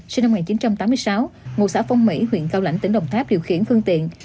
sinh năm một nghìn chín trăm tám mươi sáu ngụ xã phong mỹ huyện cao lãnh tỉnh đồng tháp điều khiển phương tiện